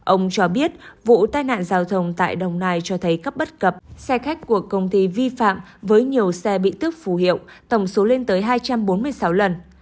ông cho biết vụ tai nạn giao thông tại đồng nai cho thấy cấp bất cập xe khách của công ty vi phạm với nhiều xe bị tước phù hiệu tổng số lên tới hai trăm bốn mươi sáu lần